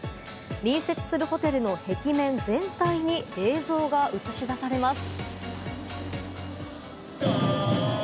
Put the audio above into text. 隣接するホテルの壁面全体に映像が映し出されます。